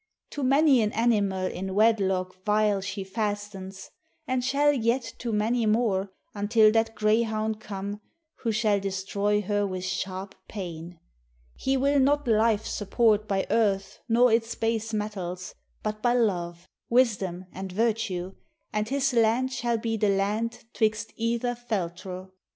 To many an animal in wedlock vile She fastens, and shall yet to many more, Until that greyhound come, who shall destroy Her with sharp pain. He will not life support By earth nor its base metals, but by love, Wisdom, and virtue, and his land shall be The land 'twixt either Feltro.